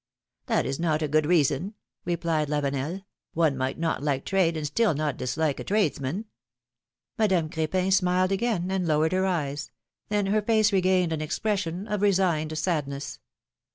^^That is not a good reason," replied Lavenel; ^^one might not like trade and still not dislike a tradesman." Madame Cr^pin smiled again, and lowered her eyes; then her face regained an expression of resigned sadness.